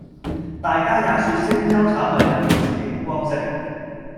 大家也說星洲炒米怎會是螢光色